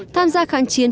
tham gia kháng chiến